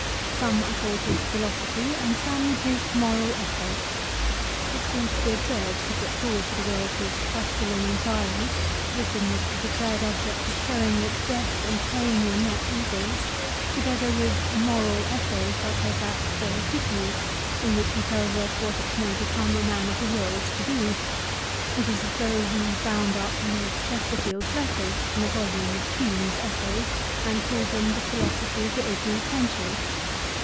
Some are called his Philo sophy and some his Moral Essays. It seems to be absurd to put forward to the world his Tusculan Enquiries, written with the declared object of showing that death and pain were not evils, together with a moral essay, such as that "De Officiis," in which he tells us what it may become a man of the world to do. It is as though we bound up Lord Chesterfield's letters in a volume with Hume's essays, and called them the philosophy of the eighteenth century.